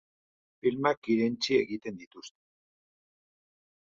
Filmak irentsi egiten dituzte.